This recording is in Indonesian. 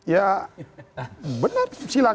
ya benar silahkan